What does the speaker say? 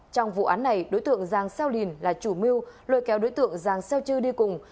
trong vụ án này đối tượng giang seo linh là chủ mưu lôi kéo đối tượng giang seo chư đi cùng